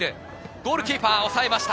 ゴールキーパー、抑えました。